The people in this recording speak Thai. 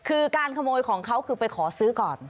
คือการขโมยของเขาคือไปขอซื้อก่อน